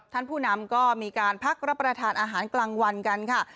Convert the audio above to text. ท่านผู้นำก็มีการพักรับประทานอาหารกลางวันกันค่ะ